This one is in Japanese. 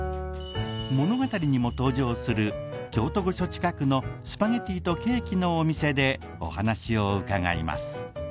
物語にも登場する京都御所近くのスパゲティとケーキのお店でお話を伺います